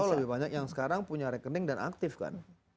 oh lebih banyak yang sekarang punya rekening dan aktif kan